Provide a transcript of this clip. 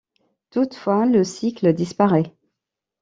Toutefois, le cycle disparaît.